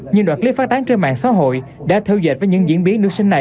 nhưng đoạn clip phát tán trên mạng xã hội đã theo dệt với những diễn biến nữ sinh này